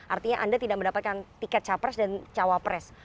artinya anda tidak mendapatkan tiket capres dan cawapres